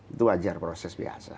itu wajar proses biasa